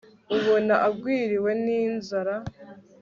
ubona agwiriwe n'inzira